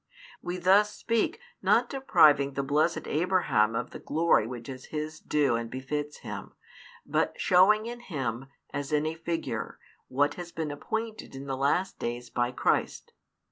We thus speak, not depriving the blessed Abraham of the glory which is his due and befits him, but showing in him, as in a figure, what has been appointed in the last days by Christ.